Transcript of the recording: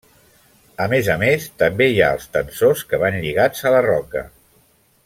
A més a més, també hi ha els tensors, que van lligats a la roca.